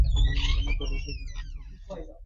আমি পরে এসে দেখে যাব আপনক কেমন আছেন।